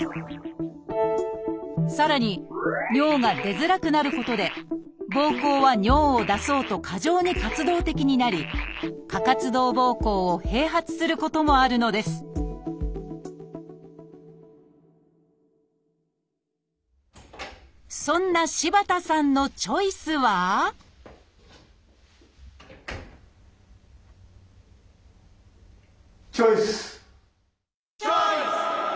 さらに尿が出づらくなることでぼうこうは尿を出そうと過剰に活動的になり過活動ぼうこうを併発することもあるのですそんな柴田さんのチョイスはチョイス！